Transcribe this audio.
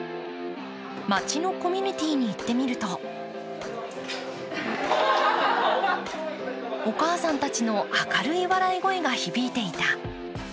町のコミュニティーに行ってみると、お母さんたちの明るい笑い声が響いていた。